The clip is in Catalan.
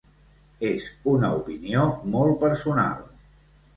És una opinió molt personal.